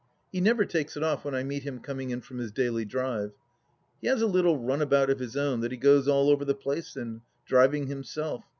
He never takes it off when I meet him coming in from his daily drive — he has a little run about of his own that he goes all over the place in, driving himself.